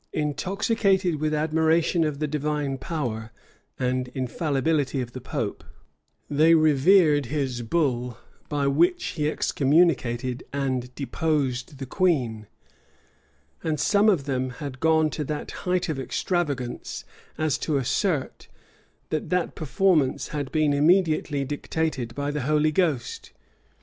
Intoxicated with admiration of the divine power and infallibility of the pope, they revered his bull by which he excommunicated and deposed the queen; and some of them had gone to that height of extravagance as to assert, that that performance had been immediately dictated by the Holy Ghost.